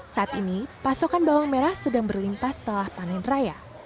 saat ini pasokan bawang merah sedang berlimpah setelah panen raya